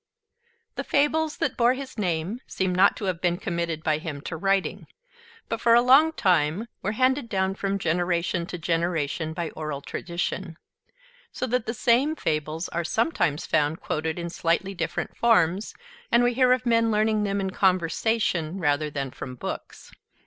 The fables that bore his name seem not to have been committed by him to writing, but for a long time were handed down from generation to generation by oral tradition; so that the same fables are sometimes found quoted in slightly different forms, and we hear of men learning them in conversation rather than from books.